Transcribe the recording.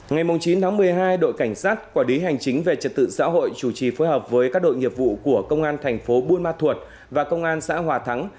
ngày chín tháng một mươi hai đội cảnh sát quản lý hành chính về trật tự xã hội chủ trì phối hợp với các đội nghiệp vụ của công an thành phố buôn ma thuột và công an xã hòa thắng